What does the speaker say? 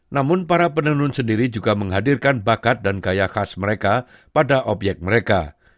namun para penenun sendiri juga menghadirkan bakat dan gaya khas mereka pada obyek mereka